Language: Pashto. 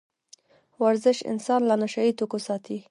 ورزش انسان له نشه يي توکو ساتي.